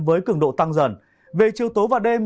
với cường độ tăng dần về chiều tối và đêm